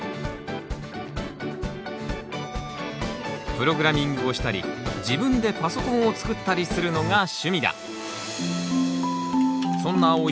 プログラミングをしたり自分でパソコンを作ったりするのが趣味だ。